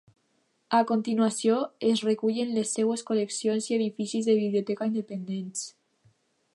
A continuació es recullen les seves col·leccions i edificis de biblioteca independents.